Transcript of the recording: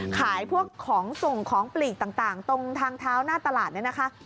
ขายพวกของส่งของปลีกต่างตรงทางเท้าหน้าตลาดเนี่ยนะคะ